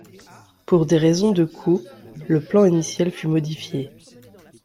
Pour des raisons de coûts, le plan initial fut modifié.